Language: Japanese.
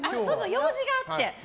用事があって。